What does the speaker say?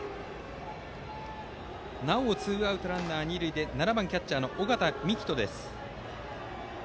なおもツーアウトランナー、二塁で７番キャッチャー、尾形樹人です。